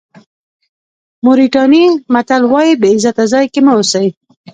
موریتاني متل وایي بې عزته ځای کې مه اوسئ.